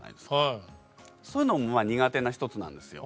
そういうのもまあ苦手な一つなんですよ。